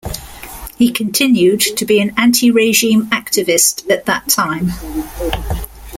He continued to be an anti-regime activist at that time.